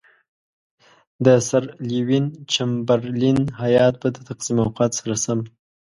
د سر لیوین چمبرلین هیات به د تقسیم اوقات سره سم.